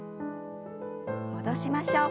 戻しましょう。